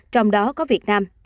trong đó có việt nam